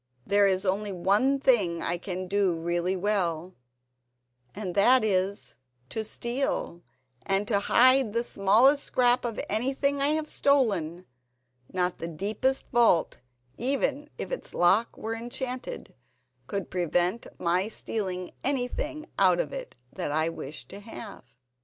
There is only one thing I can do really well, and that is—to steal, and to hide the smallest scrap of anything I have stolen. Not the deepest vault, even if its lock were enchanted, could prevent my stealing anything out of it that I wished to have."